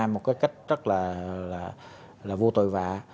một cách rất là vô tội vạ